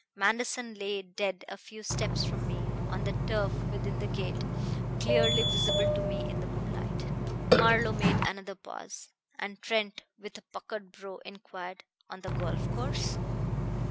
"Manderson lay dead a few steps from me on the turf within the gate, clearly visible to me in the moonlight." Marlowe made another pause, and Trent, with a puckered brow, inquired: "On the golf course?"